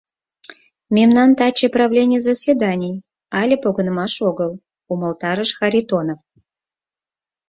— Мемнан таче правлений заседаний але погынымаш огыл, — умылтарыш Харитонов.